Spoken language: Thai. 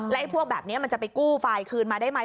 ไอ้พวกแบบนี้มันจะไปกู้ไฟล์คืนมาได้ไหม